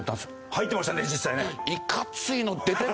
入ってましたね実際ね。